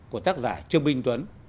của tác giả trương minh tuấn